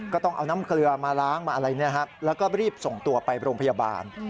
ก็ต้องเอาน้ำเกลือมาล้างมาอะไรแล้วก็รีบส่งตัวไปโรงพยาบาล